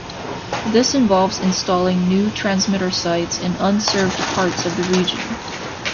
This involves installing new transmitter sites in unserved parts of the region.